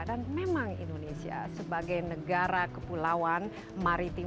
dan memang indonesia sebagai negara kepulauan maritim